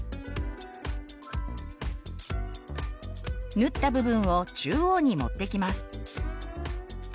縫った部分を中央に持ってきます。